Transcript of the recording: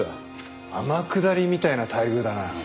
天下りみたいな待遇だな。